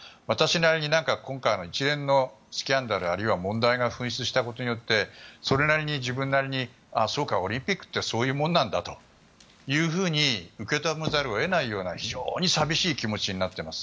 今回の一連のスキャンダルあるいは問題があってそれなりに、自分なりにそうだ、オリンピックってそういうものなんだというふうに受け止めざるを得ない非常に寂しい気持ちになっています。